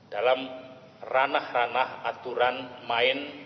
dalam ranah ranah aturan main